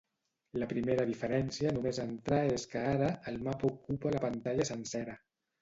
La primera diferència només entrar és que ara, el mapa ocupa la pantalla sencera.